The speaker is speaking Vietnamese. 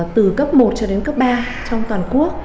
từ cấp một cho đến cấp ba trong toàn quốc